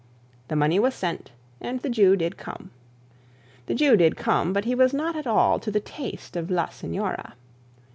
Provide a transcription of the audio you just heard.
The money was sent, and the Jew did come. The Jew did come, but he was not at all to the taste of 'la Signora'.